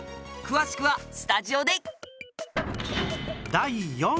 詳しくはスタジオで。